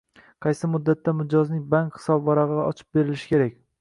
qaysi muddatda mijozning bank hisobvarag‘i ochib berilishi kerak?